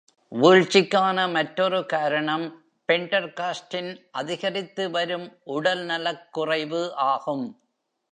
வீழ்ச்சிக்கான மற்றொரு காரணம் பெண்டர்காஸ்டின் அதிகரித்துவரும் உடல்நலக் குறைவு ஆகும்.